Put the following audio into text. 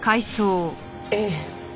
ええ。